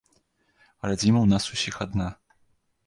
Радзіма ў нас усіх адна.